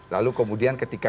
lalu kemudian ketika